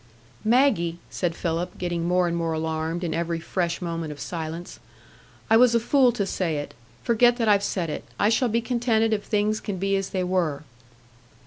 "Maggie," said Philip, getting more and more alarmed in every fresh moment of silence, "I was a fool to say it; forget that I've said it. I shall be contented if things can be as they were."